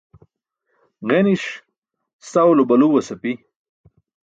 Ġeniṣ sawulo baluuẏas api.